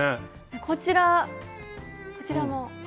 こちらこちらも。